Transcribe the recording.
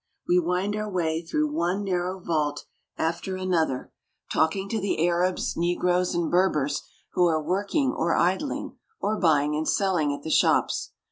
I We wind our way through one narrow vault after ■asi. y6 AFRICA other, talking to the Arabs, negroes, and Berbers who are working or idling, or buying and selling at the shops.